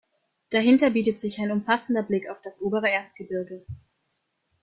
Dahinter bietet sich ein umfassender Blick auf das obere Erzgebirge.